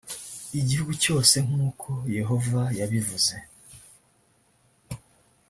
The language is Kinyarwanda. igihugu cyose nk uko yehova yabivuze